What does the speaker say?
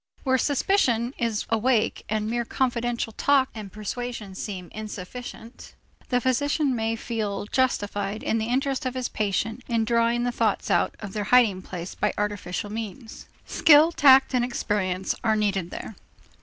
Where suspicion is awake and mere confidential talk and persuasion seem insufficient, the physician may feel justified in the interest of his patient in drawing the thoughts out of their hiding place by artificial means. Skill, tact, and experience are needed there.